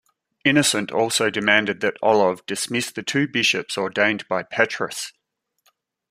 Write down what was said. Innocent also demanded that Olov dismiss the two bishops ordained by Petrus.